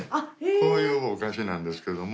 こういうお菓子なんですけども。